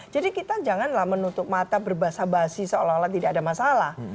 jadi kita janganlah menutup mata berbahasa basi seolah olah tidak ada masalah